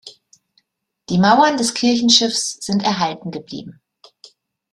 Die Mauern des Kirchenschiffs sind erhalten geblieben.